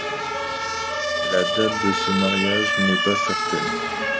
La date de ce mariage n’est pas certaine.